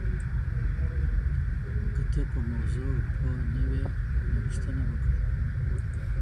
که ته په موضوع پوه نه وې نو پوښتنه وکړه.